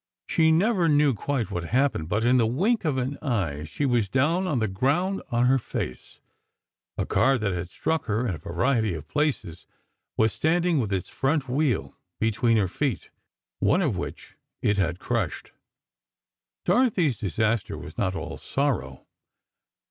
She never knew quite what happened, but in the wink of an eye, she was down on the ground on her face; a car that had struck her in a variety of places—was standing with its front wheel between her feet, one of which it had crushed. Dorothy's disaster was not all sorrow.